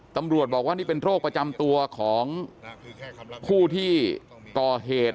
ตำรวจบอกว่านี่เป็นโรคประจำตัวของผู้ที่ก่อเหตุ